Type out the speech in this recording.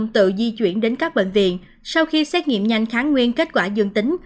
tự di chuyển đến các bệnh viện sau khi xét nghiệm nhanh kháng nguyên kết quả dương tính